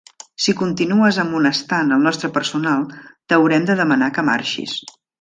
Si continues amonestant el nostre personal, t'haurem de demanar que marxis.